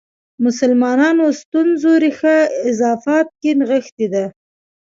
مسلمانانو ستونزو ریښه اضافات کې نغښې ده.